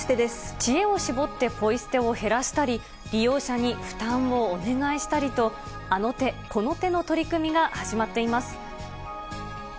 知恵を絞ってポイ捨てを減らしたり、利用者に負担をお願いしたりと、あの手この手の取り組みが始まっています。